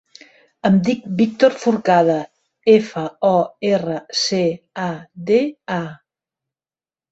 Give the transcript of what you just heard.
Em dic Víctor Forcada: efa, o, erra, ce, a, de, a.